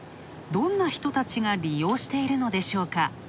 どんな人たちが、利用しているのでしょうか。